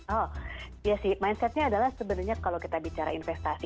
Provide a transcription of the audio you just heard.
oh iya sih mindsetnya adalah sebenarnya kalau kita bicara investasi